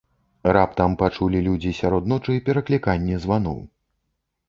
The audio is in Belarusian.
Раптам пачулі людзі сярод ночы перакліканне званоў.